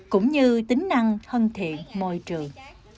cũng như tính năng hân thiện môi trường